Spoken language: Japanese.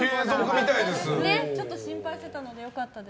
ちょっと心配してたので良かったです。